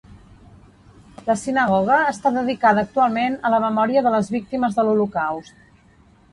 La sinagoga està dedicada actualment a la memòria de les víctimes de l'Holocaust.